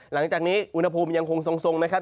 หลังจากนี้อุณหภูมิยังคงทรงนะครับ